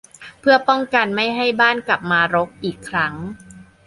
เพื่อป้องกันไม่ให้บ้านกลับมารกอีกครั้ง